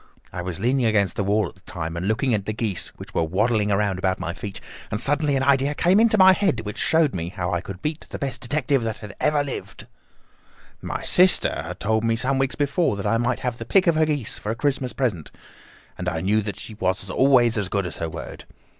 I was leaning against the wall at the time and looking at the geese which were waddling about round my feet, and suddenly an idea came into my head which showed me how I could beat the best detective that ever lived. "My sister had told me some weeks before that I might have the pick of her geese for a Christmas present, and I knew that she was always as good as her word.